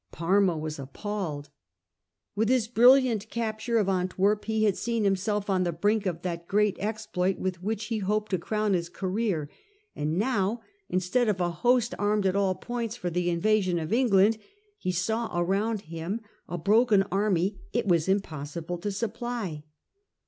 Parma was appalled. With his brilliant capture of Antwerp he had seen himself on the brink of that great exploit with which he hoped to crown his career ; and now, instead of a host armed at all points for the in vasion of England, he saw around him a broken army it was impossible to supply.